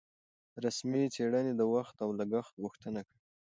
رسمي څېړنې د وخت او لګښت غوښتنه کوي.